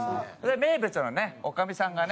名物のね女将さんがね。